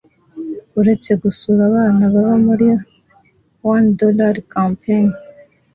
uretse gusura abana baba muri One dollar Campaign